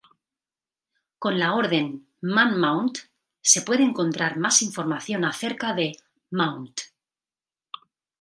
Con la orden "man mount" se puede encontrar más información acerca de "mount".